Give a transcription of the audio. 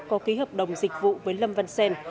có ký hợp đồng dịch vụ với lâm văn sen